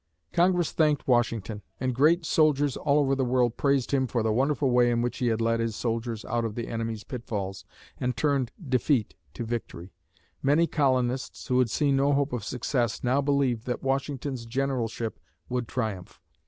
Congress thanked Washington, and great soldiers all over the world praised him for the wonderful way in which he had led his soldiers out of the enemy's pitfalls and turned defeat to victory. Many colonists, who had seen no hope of success, now believed that Washington's generalship would triumph.